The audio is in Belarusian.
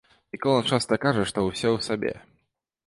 Мікола часта кажа, што ўсё ў сабе.